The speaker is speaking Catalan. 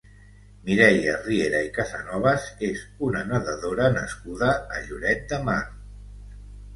Mireia Riera i Casanovas és una nedadora nascuda a Lloret de Mar.